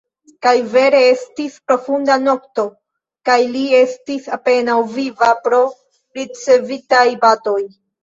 Kaj vere: estis profunda nokto, kaj li estis apenaŭ viva pro ricevitaj batoj.